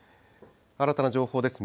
新たな情報です。